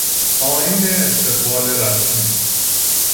آیین استقبال رسمی